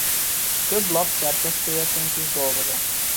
Több lap szerkesztőjeként is dolgozott.